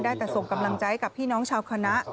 ได้แต่ส่งกำลังใจกับพี่น้องชาวคณะ